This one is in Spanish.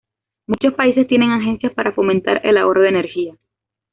Muchos países tienen agencias para fomentar el ahorro de energía.